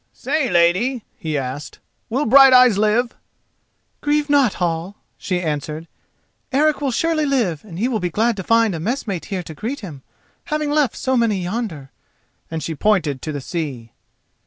"Say, lady," he asked, "will Brighteyes live?" "Grieve not, Hall," she answered, "Eric will surely live and he will be glad to find a messmate here to greet him, having left so many yonder," and she pointed to the sea.